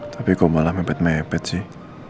tapi kok malah mepet mepet sih